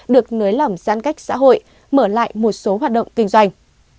được nới lỏng giãn cách xã hội mở lại một số hoạt động kinh doanh